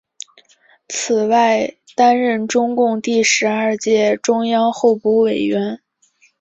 此外担任中共第十二届中央候补委员。